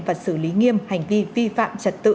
và xử lý nghiêm hành vi vi phạm trật tự